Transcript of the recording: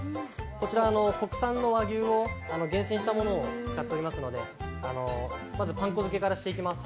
こちら、国産の和牛を、厳選したものを使っておりますのでまずパン粉づけからしていきます。